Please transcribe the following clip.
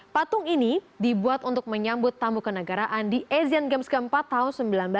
patung ini dibuat untuk menyambut tamu kenegaraan di asian games ke empat tahun seribu sembilan ratus enam puluh dua